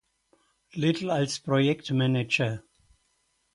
Little als Projektmanager.